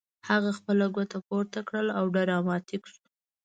هغه خپله ګوته پورته کړه او ډراماتیک شو